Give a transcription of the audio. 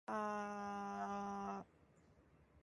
Rusa itu lari setelah mendengar suara tembakan.